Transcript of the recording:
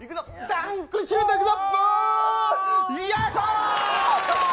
ダンクシュート、いくぞ。